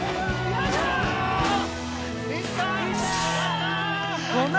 やった！